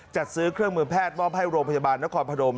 จัดซื้อเครื่องมือแพทย์มอบให้โรงพยาบาลนครพนม